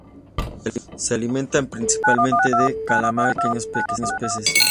Se alimenta principalmente de calamares y de pequeños peces.